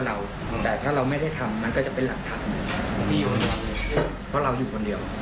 แล้วคนที่ถูกแกล้งรู้ไหมเขาเป็นตำรวจ